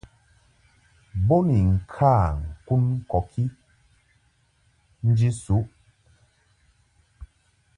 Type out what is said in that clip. Bo ni ŋka ŋkun kɔki nji suʼ.